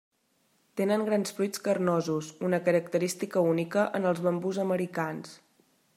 Tenen grans fruits carnosos, una característica única en els bambús americans.